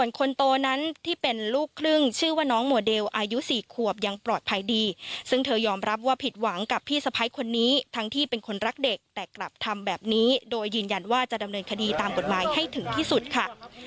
คนโตนั้นที่เป็นลูกครึ่งชื่อว่าน้องโมเดลอายุ๔ขวบยังปลอดภัยดีซึ่งเธอยอมรับว่าผิดหวังกับพี่สะพ้ายคนนี้ทั้งที่เป็นคนรักเด็กแต่กลับทำแบบนี้โดยยืนยันว่าจะดำเนินคดีตามกฎหมายให้ถึงที่สุดค่ะ